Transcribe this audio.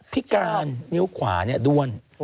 พี่การนิ้วขวานี่ด้วน